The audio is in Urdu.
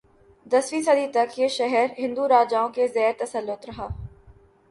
دسویں صدی تک یہ شہر ہندو راجائوں کے زیرتسلط رہا